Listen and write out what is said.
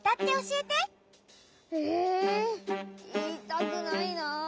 えいいたくないなあ。